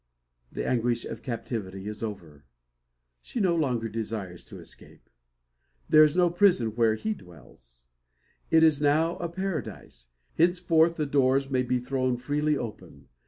The anguish of captivity is over. She no longer desires to escape. There is no prison where he dwells. It is now a paradise. Henceforth the doors may be thrown freely open.